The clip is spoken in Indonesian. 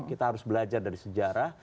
kita harus belajar dari sejarah